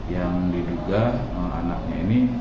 yang diduga anaknya ini